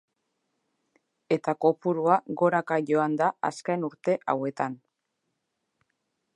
Eta kopurua goraka joan da azken urte hauetan.